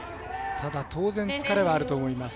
ただ、当然、疲れはあると思います。